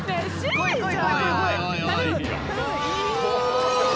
来い来い！